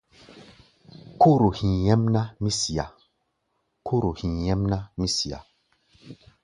Kóro hí̧í̧ nyɛ́mná, mí siá.